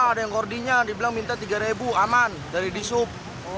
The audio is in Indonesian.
enggak ada yang koordinat dibilang minta tiga aman dari disub